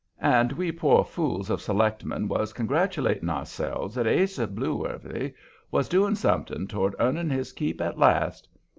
And we poor fools of selectmen was congratulating ourselves that Ase Blueworthy was doing something toward earning his keep at last.